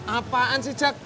apaan sih jack